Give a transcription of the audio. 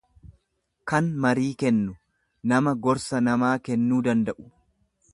kan marii kennu, nama gorsa namaa kennuu danda'u.